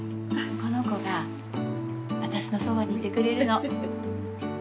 この子が私のそばにいてくれるの。